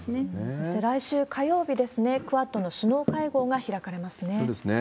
そして、来週火曜日、クアッドの首脳会合が開かれますね。